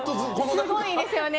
すごいんですよね。